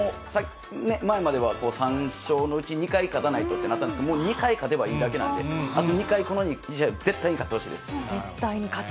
前までは、３勝のうち２回勝たないとってなったんですけど、もう２回勝てばいいだけなんで、あと２回、この２試合、絶対に勝絶対に勝つ。